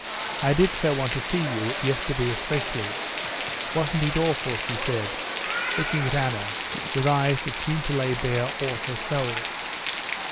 I did so want to see you, yesterday especially. Wasn't it awful?" she said, looking at Anna with eyes that seemed to lay bare all her soul.